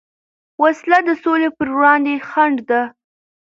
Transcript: وسله د سولې پروړاندې خنډ ده